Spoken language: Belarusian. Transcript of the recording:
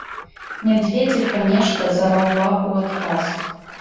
Мядзведзіха нешта зараўла ў адказ.